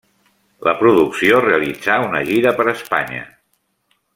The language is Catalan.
La producció realitzà una gira per Espanya.